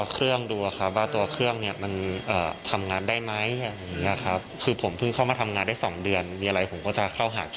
คุณผู้ชมค่ะตอนนี้นะคะเรื่องทางคดีเนี่ยค่ะ